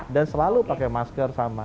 dan selalu pakai masker sama